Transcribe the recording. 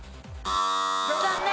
残念。